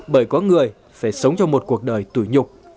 bởi có người phải sống cho một cuộc đời tủi nhục